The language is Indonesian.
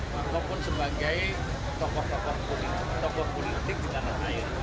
walaupun sebagai tokoh tokoh politik di tanah air